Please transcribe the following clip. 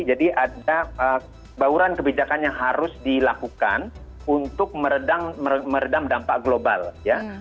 jadi ada bauran kebijakan yang harus dilakukan untuk meredam dampak global ya